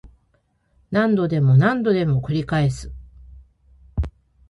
何度でも何度でも繰り返す